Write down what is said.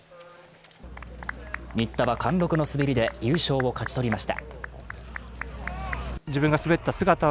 新田は貫禄の滑りで優勝を勝ち取りました。